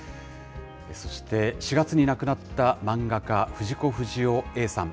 そして４月に亡くなった漫画家、藤子不二雄Ａさん。